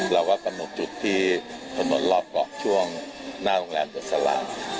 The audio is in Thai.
เราว่ากระหนดจุดที่ถนนรอบเกาะช่วงหน้าโรงแรมเดียวแลำ